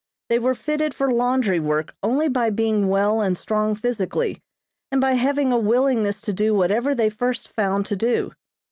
They were fitted for laundry work only by being well and strong physically, and by having a willingness to do whatever they first found to do.